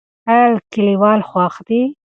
ایا کلیوال خوښ دي؟